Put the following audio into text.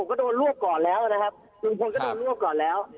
ผมก็โดนร่วบก่อนแล้วนะครับลุงพลก็โดนร่วบก่อนแล้ว